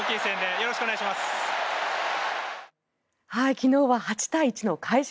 昨日は８対１の快勝。